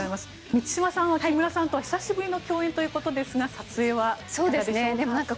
満島さんは木村さんとは久しぶりの共演ということですが撮影はいかがでしたしょうか。